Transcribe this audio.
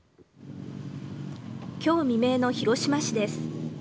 きょう未明の広島市です。